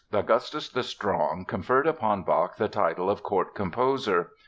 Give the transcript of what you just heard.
] In 1736 Augustus the Strong conferred upon Bach the title of Court Composer.